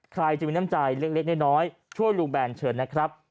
ใครจะมีน้ำใจเล็กน้อยช่วยลุงแบนเชิญนะครับ